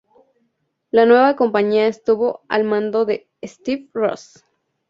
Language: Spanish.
La nueva compañía estuvo al mando de Steve Ross.